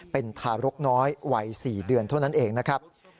เป็นทารกน้อยวัย๔เดือนเท่านั้นเองนะครับ